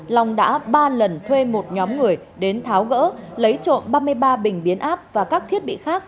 long đã ba lần thuê một nhóm người đến tháo gỡ lấy trộm ba mươi ba bình biến áp và các thiết bị khác